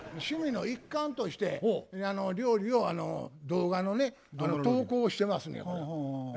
趣味の一環として料理を動画のね投稿してますねや。